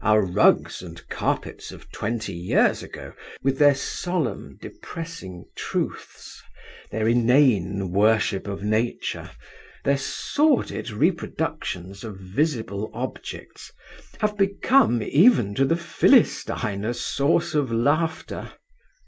Our rugs and carpets of twenty years ago, with their solemn depressing truths, their inane worship of Nature, their sordid reproductions of visible objects, have become, even to the Philistine, a source of laughter.